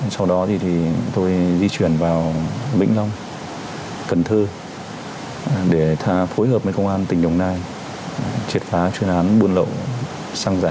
sau đó thì tôi di chuyển vào vĩnh long cần thơ để phối hợp với công an tỉnh đồng nai triệt phá chuyên án buôn lậu xăng giả